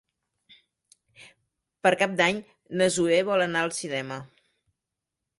Per Cap d'Any na Zoè vol anar al cinema.